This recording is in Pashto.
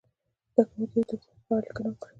زده کوونکي دې د ښوونکي په اړه لیکنه وکړي.